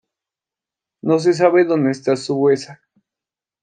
No se sabe donde está su huesa.